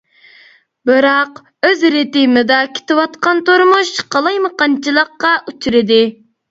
بىراق، ئۆز رىتىمىدا كېتىۋاتقان تۇرمۇش قالايمىقانچىلىققا ئۇچرىدى.